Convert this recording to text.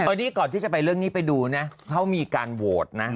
อันนี้ก่อนที่จะไปเรื่องนี้ไปดูนะเขามีการโหวตนะ